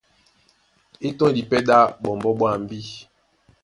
E tɔ́ndi pɛ́ ɗá ɓɔmbɔ́ ɓwambí.